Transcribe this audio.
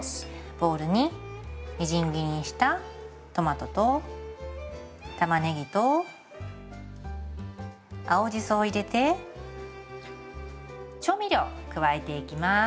ボウルにみじん切りにしたトマトとたまねぎと青じそを入れて調味料加えていきます。